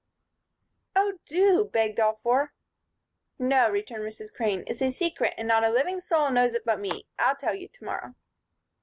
"Oh, do," begged all four. "No," returned Mrs. Crane. "It's a secret, and not a living soul knows it but me. I'll tell you to morrow."